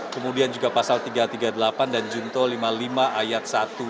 kemudian juga pasal tiga ratus tiga puluh delapan dan junto lima puluh lima ayat satu